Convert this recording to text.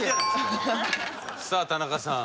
さあ田中さん。